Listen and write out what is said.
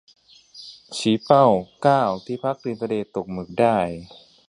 ชี้เป้า เก้า ที่พักริมทะเลตกหมึกได้